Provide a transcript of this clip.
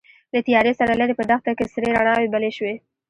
له تيارې سره ليرې په دښته کې سرې رڼاوې بلې شوې.